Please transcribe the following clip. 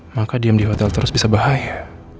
maka diam di hotel terus bisa bahaya